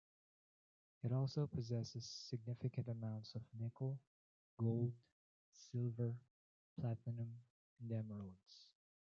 It also possesses significant amounts of nickel, gold, silver, platinum, and emeralds.